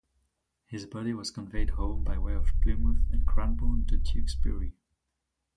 His body was conveyed home by way of Plymouth and Cranborne to Tewkesbury.